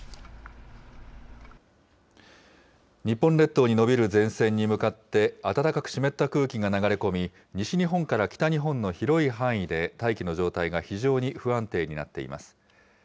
日本列島に延びる前線に向かって、暖かく湿った空気が流れ込み、西日本から北日本の広い範囲で大気の状態が非常に不安定になっています。